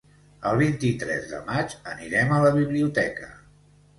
El vint-i-tres de maig anirem a la biblioteca.